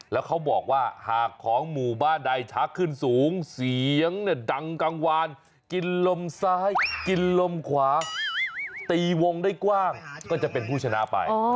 แล้วจะเป็นผู้ชนะไป